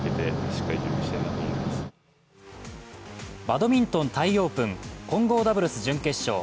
バドミントンタイオープン混合ダブルス準決勝。